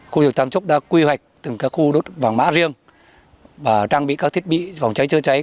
khu du lịch tam trúc đã quy hoạch từng các khu đốt vàng mã riêng và trang bị các thiết bị phòng cháy trị cháy